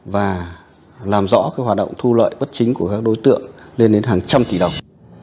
và làm rõ hoạt động thu lợi bất chính của các đối tượng lên đến hàng trăm tỷ đồng